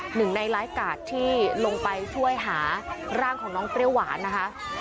หนึ่งในไลฟ์การ์ดที่ลงไปช่วยหาร่างของน้องเปรี้ยวหวานนะคะ